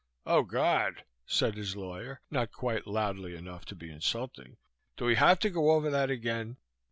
"Oh, God!" said his lawyer, not quite loudly enough to be insulting. "Do we have to go over that again?